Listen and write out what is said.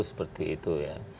seperti itu ya